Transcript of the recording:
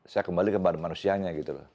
saya kembali ke badan manusianya